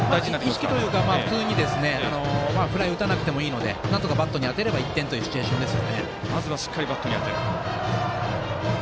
意識というか普通にフライを打たなくていいのでなんとかバッターに当てれば１点というシチュエーションです。